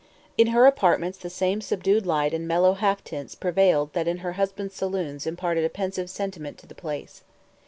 In her apartments the same subdued lights and mellow half tints prevailed that in her husband's saloons imparted a pensive sentiment to the place.